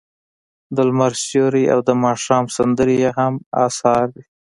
د لمر سیوری او د ماښام سندرې یې هم اثار دي.